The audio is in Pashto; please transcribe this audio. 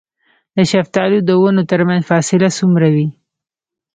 د شفتالو د ونو ترمنځ فاصله څومره وي؟